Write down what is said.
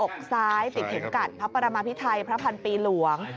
อกซ้ายติดเข็มกัดพระปรมาพิไทยพระพันปีหลวง